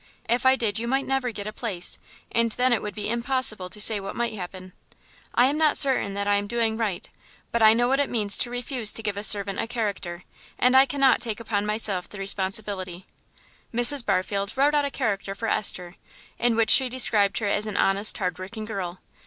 If I did you might never get a place, and then it would be impossible to say what might happen. I am not certain that I am doing right, but I know what it means to refuse to give a servant a character, and I cannot take upon myself the responsibility." Mrs. Barfield wrote out a character for Esther, in which she described her as an honest, hard working girl.